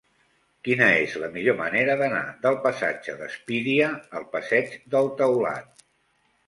Quina és la millor manera d'anar del passatge d'Espíria al passeig del Taulat?